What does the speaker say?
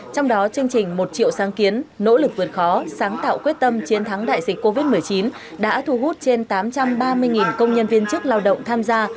trong đó chương trình một triệu sáng kiến nỗ lực vượt khó sáng tạo quyết tâm chiến thắng đại dịch covid một mươi chín đã thu hút trên tám trăm ba mươi công nhân viên chức lao động tham gia